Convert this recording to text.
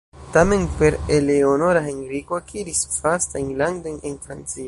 Tamen per Eleonora, Henriko akiris vastajn landojn en Francio.